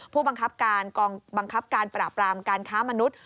ผู้บังคับการประปรามการค้ามนุษย์